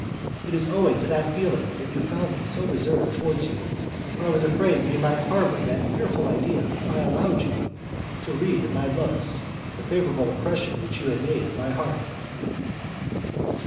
It is owing to that feeling that you found me so reserved towards you, for I was afraid that you might harbour that fearful idea if I allowed, you to read in my looks the favourable impression which you had made on my heart."